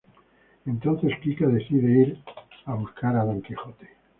Entonces Kika decide ir a buscar a Don Quijote.